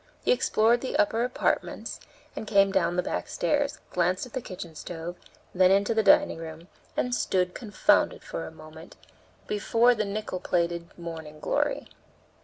He explored the upper apartments and came down the back stairs, glanced at the kitchen stove, then into the dining room, and stood confounded, for a moment, before the nickel plated 'Morning Glory.'